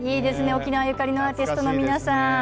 沖縄のアーティストの皆さん。